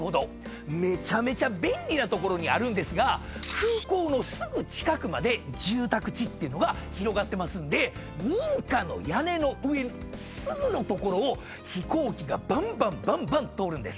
めちゃめちゃ便利な所にあるんですが空港のすぐ近くまで住宅地っていうのが広がってますんで民家の屋根の上すぐの所を飛行機がばんばんばんばん通るんです。